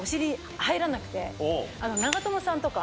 長友さんとか。